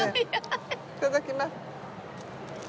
いただきます。